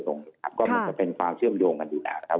ก็มันจะเป็นความเชื่อมโยงกันอยู่แล้วนะครับ